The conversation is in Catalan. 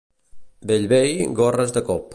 Bellvei, gorres de cop.